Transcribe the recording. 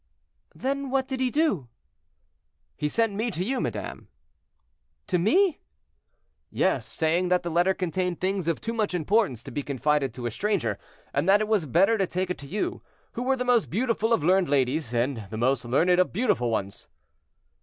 "Then what did he do?" "He sent me to you, madame." "To me?" "Yes, saying that the letter contained things of too much importance to be confided to a stranger, and that it was better to take it to you, who were the most beautiful of learned ladies, and the most learned of beautiful ones."